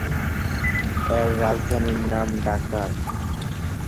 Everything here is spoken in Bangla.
এর রাজধানীর নাম ডাকার।